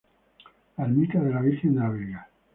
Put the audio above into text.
La Ermita de la Virgen de la Vega.